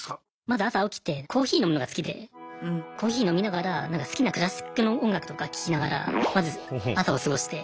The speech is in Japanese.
まず朝起きてコーヒー飲むのが好きでコーヒー飲みながら好きなクラシックの音楽とか聴きながらまず朝を過ごして。